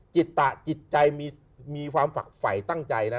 จิตใจมีความฝ่ายตั้งใจนะ